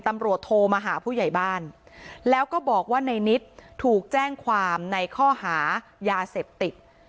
ตำรวจโทรมาหาผู้ใหญ่บ้านแล้วก็บอกว่าในนิดถูกแจ้งความในข้อหายาเสพติด